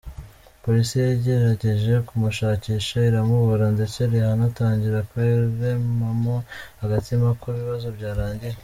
Polisi yagerageje kumushakisha iramubura ndetse Rihanna atangira kwiremamo agatima ko ibibazo byarangiye.